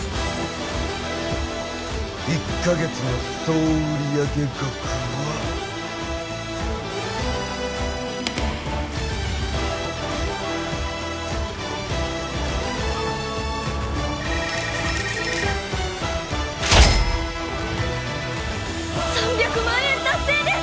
１カ月の総売上額は３００万円達成です！